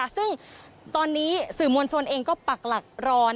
ซึ่งตอนนี้สื่อมวลชนเองก็ปักหลักรอ